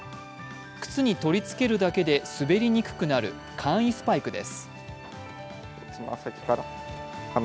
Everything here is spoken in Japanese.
靴に取り付けるだけで滑りにくくなる簡易スパイクです。